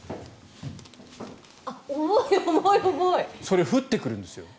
それ降ってくるんですよ。